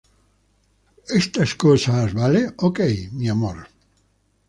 estas cosas, ¿ vale? ok, mi amor.